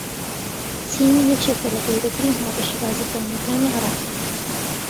چین یەکێکە لە گەورەترین هاوبەشە بازرگانییەکانی عێراق.